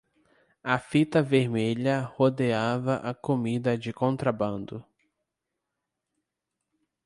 A fita vermelha rodeava a comida de contrabando.